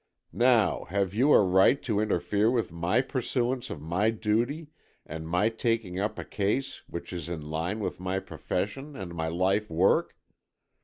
Now, have you a right to interfere with my pursuance of my duty and my taking up a case which is in line with my profession and my life work?